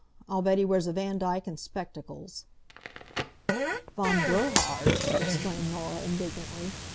I'll bet he wears a Vandyke and spectacles." "Von Gerhard!" exclaimed Norah, indignantly.